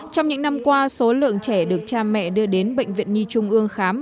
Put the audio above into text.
trong những năm qua số lượng trẻ được cha mẹ đưa đến bệnh viện nhi trung ương khám